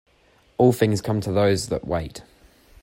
All things come to those that wait.